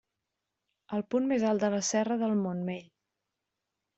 El punt més alt de la serra del Montmell.